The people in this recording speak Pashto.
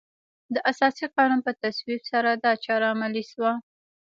د اساسي قانون په تصویب سره دا چاره عملي شوه.